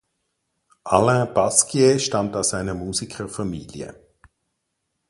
Alain Pasquier stammt aus einer Musikerfamilie.